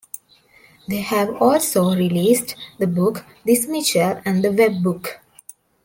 They have also released the book "This Mitchell and Webb Book".